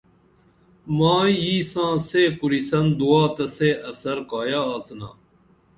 مائی ییی ساں سے کُرِسن دعا تہ سے اثر کایہ آڅِنا